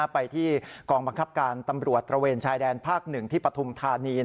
ไปที่กองบังคับการตำรวจตระเวนชายแดนภาค๑ที่ปฐุมธานี